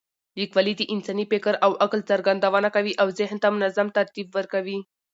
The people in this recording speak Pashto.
لیکوالی د انساني فکر او عقل څرګندونه کوي او ذهن ته منظم ترتیب ورکوي.